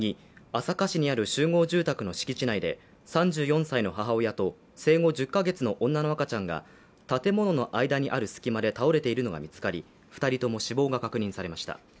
朝霞市にある集合住宅の敷地内で３４歳の母親と生後１０カ月の女の赤ちゃんが建物の間にある隙間で倒れているのが見つかり２人とも死亡が確認されました。